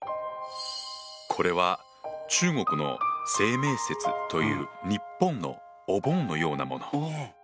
これは中国の「清明節」という日本のお盆のようなもの。